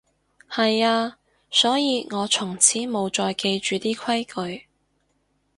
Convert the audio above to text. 係啊，所以我從此無再記住啲規矩